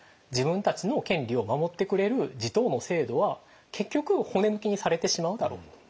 自分たちの権利を守ってくれる地頭の制度は結局骨抜きにされてしまうだろうと。